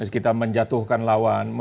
kita menjatuhkan lawan